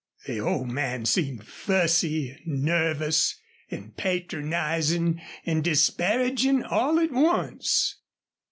The old man seemed fussy and nervous and patronizing and disparaging all at once.